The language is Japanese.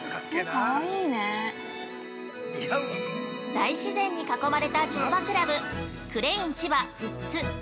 ◆大自然に囲まれた乗馬クラブクレイン千葉富津。